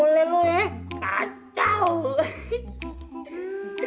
lo emang kacau